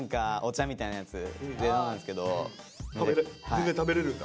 全然食べれるんだ？